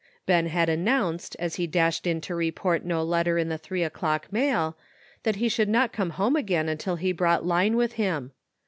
Ben had announced, as he dashed in to report no letter in the three o'clock mail, that he should not come home again until he brought Line with him.